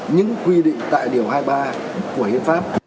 những quy định tại điều hai mươi ba của hiến pháp